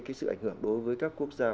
cái sự ảnh hưởng đối với các quốc gia